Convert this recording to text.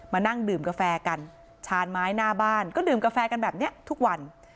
นั่งดื่มกาแฟกันชานไม้หน้าบ้านก็ดื่มกาแฟกันแบบนี้ทุกวัน